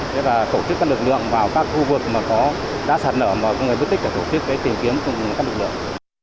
thế là tổ chức các lực lượng vào các khu vực mà có đá sạt nở và người mất tích để tổ chức tìm kiếm các lực lượng